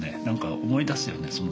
何か思い出すよね